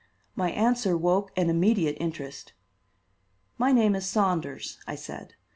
My answer woke an immediate interest. "My name is Saunders," I said.